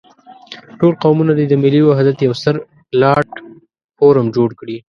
ټول قومونه دې د ملي وحدت يو ستر پلاټ فورم جوړ کړي.